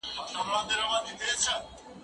کېدای سي تکړښت ستړی وي؟